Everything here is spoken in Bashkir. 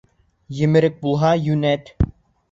Емерек булһа, йүнәт.